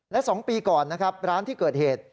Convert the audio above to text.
และ๒ปีก่อนนะครับร้านที่เกิดเหตุ